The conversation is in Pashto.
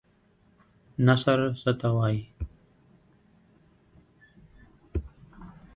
نثر څه ته وايي؟